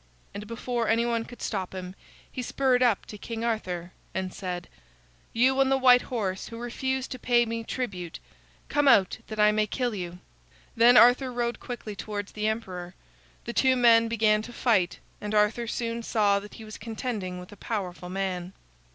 And before any one could stop him, he spurred up to King Arthur and said: "You on the white horse who refuse to pay me tribute, come out that I may kill you." Then Arthur rode quickly towards the emperor. The two men began to fight, and Arthur soon saw that he was contending with a powerful man.